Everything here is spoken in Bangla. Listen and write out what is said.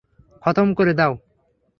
খতম করে দাও।